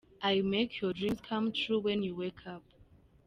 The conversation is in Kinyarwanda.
I make your dreams come true when you wake up.